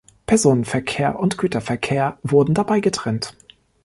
Personenverkehr und Güterverkehr wurden dabei getrennt.